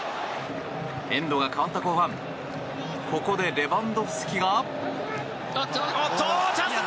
エンドが変わった後半ここでレバンドフスキが。